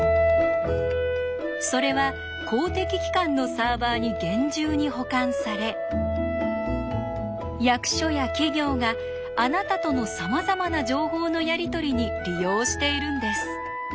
それは公的機関のサーバーに厳重に保管され役所や企業があなたとのさまざまな情報のやり取りに利用しているんです。